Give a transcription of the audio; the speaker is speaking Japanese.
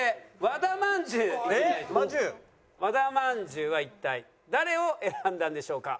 和田まんじゅうは一体誰を選んだんでしょうか？